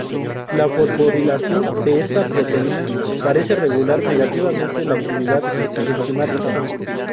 La fosforilación de esta proteína parece regular negativamente la actividad enzimática.